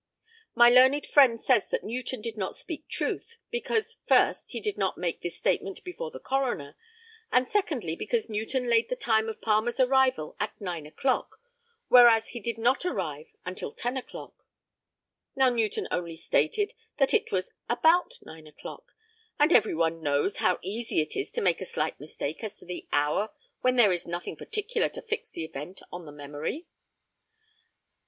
My learned friend says that Newton did not speak truth, because, first, he did not make this statement before the coroner; and, secondly, because Newton laid the time of Palmer's arrival at nine o'clock, whereas he did not arrive until ten o'clock. Now Newton only stated that it was about nine o'clock, and every one knows how easy it is to make a slight mistake as to the hour when there is nothing particular to fix the event on the memory.